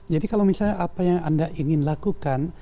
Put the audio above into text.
jadi kalau misalnya apa yang anda ingin lakukan